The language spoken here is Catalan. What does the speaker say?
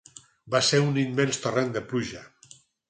Va ser un immens torrent de pluja.